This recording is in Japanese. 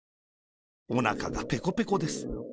おなかがペコペコです。